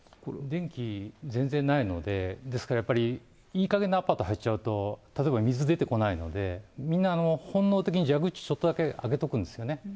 電気全然ないので、ですからやっぱり、いいかげんなアパート入っちゃうと、例えば水出てこないので、みんな本能的に蛇口、ちょっとだけ開けとくんですよね。